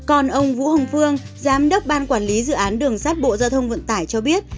còn ông vũ hồng phương giám đốc ban quản lý dự án đường sắt bộ giao thông vận tải cho biết